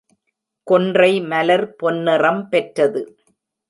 கொன்றை மலர் பொன்னிறம் பெற்றது.